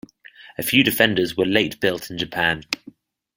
A few Defenders were later built in Japan.